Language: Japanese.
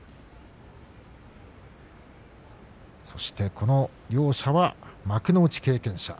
この両者は幕内経験者。